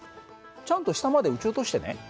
ちゃんと下まで撃ち落としてね。